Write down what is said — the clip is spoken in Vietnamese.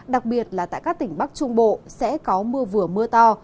đặc biệt là tại các tỉnh bắc trung bộ sẽ có mưa vừa mưa to